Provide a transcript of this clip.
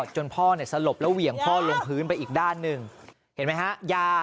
จนพ่อเนี่ยสลบแล้วเหวี่ยงพ่อลงพื้นไปอีกด้านหนึ่งเห็นไหมฮะยา